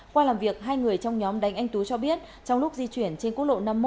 qua làm việc hai người trong nhóm đánh anh tú cho biết trong lúc di chuyển trên quốc lộ năm mươi một